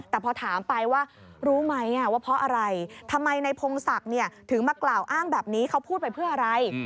แต่พอถามไปว่ารู้ไหมว่าเพราะอะไรทำไมในพงศักดิ์ถึงมากล่าวอ้างแบบนี้เขาพูดไปเพื่ออะไร